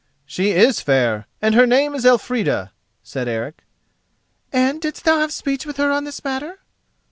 "She is fair, and her name is Elfrida," said Eric. "And didst thou have speech with her on this matter?"